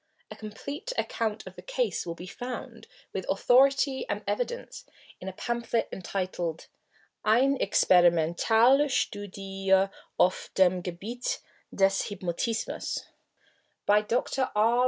A complete account of the case will be found, with authority and evidence, in a pamphlet entitled Eine experimentale Studie auf dem Gebiete des Hypnotismus, by Dr. R.